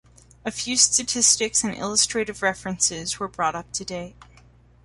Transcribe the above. A few statistics and illustrative references were brought up to date.